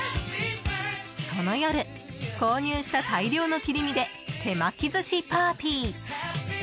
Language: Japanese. その夜、購入した大量の切り身で手巻き寿司パーティー。